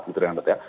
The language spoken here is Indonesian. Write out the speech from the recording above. gitu renat ya